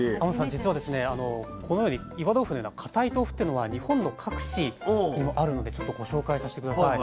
実はこのように岩豆腐のような固い豆腐っていうのは日本の各地にもあるのでちょっとご紹介させて下さい。